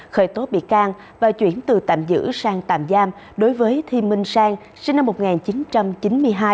khởi tố bị can và chuyển từ tạm giữ sang tạm giam đối với thi minh sang sinh năm một nghìn chín trăm chín mươi hai